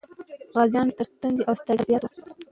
غازيان تر تندې او ستړیا زیات و.